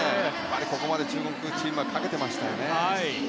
ここに中国チームはかけてましたよね。